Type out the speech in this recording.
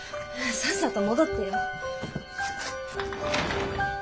さっさと戻ってよ。